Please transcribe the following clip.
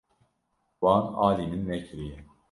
Wan alî min nekiriye.